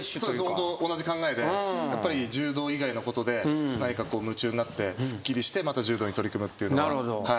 ホント同じ考えでやっぱり柔道以外のことで何かこう夢中になってすっきりしてまた柔道に取り組むっていうのが。